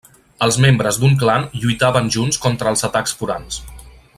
Els membres d'un clan lluitaven junts contra els atacs forans.